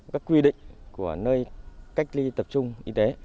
các quy định của nơi cách ly tập trung y tế